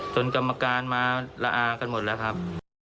จนกรรมการมาละอากันหมดแล้วครับ